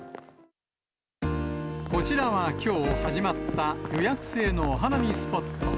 こちらは、きょう始まった予約制のお花見スポット。